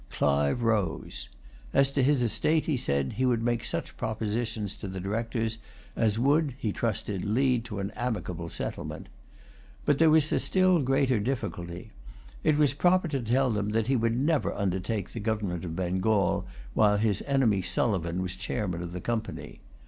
Clive rose. As to his estate, he said, he would make such propositions to the Directors, as would, he trusted, lead to an amicable settlement. But there was a still greater difficulty. It was proper to tell them that he never would undertake the government of Bengal while his enemy Sulivan was chairman of the Company.